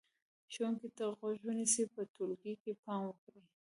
ښوونکي ته غوږ ونیسئ، په ټولګي کې پام وکړئ،